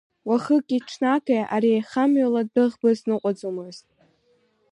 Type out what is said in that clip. Уахыки-ҽнаки ари аихамҩала дәыӷба зныҟәаӡомызт.